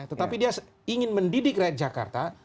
tetapi dia ingin mendidik rakyat jakarta